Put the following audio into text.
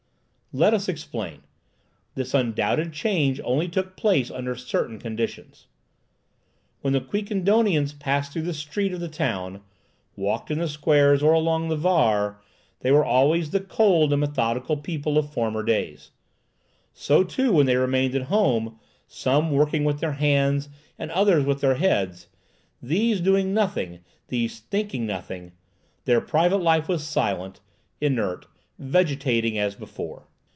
Let us explain. This undoubted change only took place under certain conditions. When the Quiquendonians passed through the streets of the town, walked in the squares or along the Vaar, they were always the cold and methodical people of former days. So, too, when they remained at home, some working with their hands and others with their heads,—these doing nothing, those thinking nothing,—their private life was silent, inert, vegetating as before.